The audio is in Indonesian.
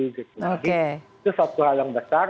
itu suatu hal yang besar